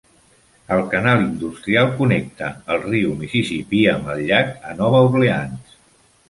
El Canal Industrial connecta el riu Mississippi amb el llac a Nova Orleans.